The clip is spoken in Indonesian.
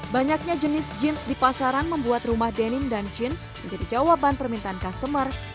banyaknya jenis jeans di pasaran membuat rumah denim dan jeans menjadi jawaban permintaan customer